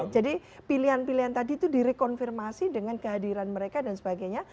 jadi pilihan pilihan tadi itu direkonfirmasi dengan kehadiran mereka dan sebagainya